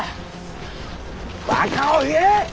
ばかを言え！